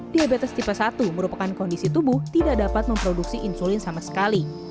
diabetes tipe satu merupakan kondisi tubuh tidak dapat memproduksi insulin sama sekali